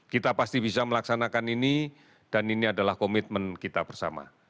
kita pasti bisa melaksanakan ini dan ini adalah komitmen kita bersama